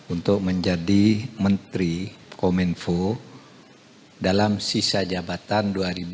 untuk menjadi menteri kominfo dalam sisa jabatan dua ribu dua puluh